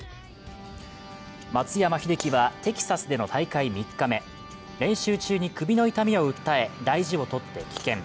松山英樹はテキサスでの大会３日目、練習中に首の痛みを訴え、大事をとって棄権。